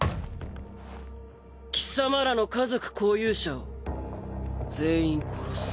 貴様らの家族交友者を全員殺す。